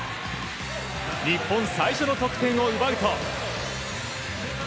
日本最初の得点を奪うと。